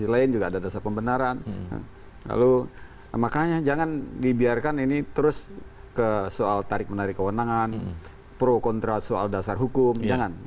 lalu makanya jangan dibiarkan ini terus ke soal tarik menarik kewenangan pro kontra soal dasar hukum jangan